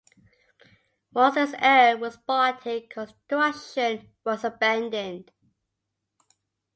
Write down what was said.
Once this error was spotted, construction was abandoned.